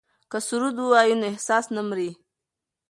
که سرود ووایو نو احساس نه مري.